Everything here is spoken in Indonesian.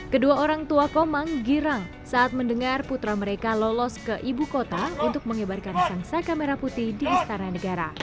kedua orang tua komang girang saat mendengar putra mereka lolos ke ibu kota untuk mengibarkan sang saka merah putih di istana negara